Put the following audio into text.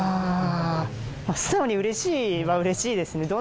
素直にうれしいはうれしいですね。